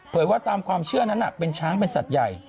ว่าตามความเชื่อนั้นเป็นช้างเป็นสัตว์ใหญ่